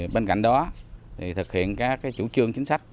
bên cạnh đó thực hiện các chủ trương chính sách